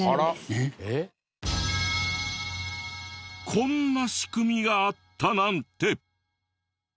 こんな仕組みがあったなんて。